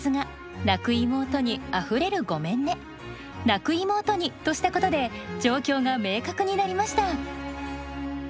「泣く妹に」としたことで状況が明確になりました。